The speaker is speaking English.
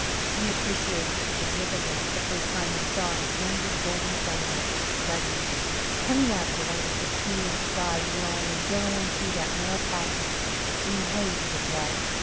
We appreciated its significance the first time we saw a splendid golden sunrise flooding it, coming out of the wonderful sea and sky beyond and billowing through that narrow passage in waves of light.